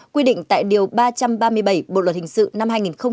quy định tại điều ba trăm ba mươi bảy bộ luật hình sự năm hai nghìn một mươi năm